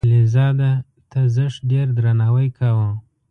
خلیل زاده ته زښت ډیر درناوی کاو.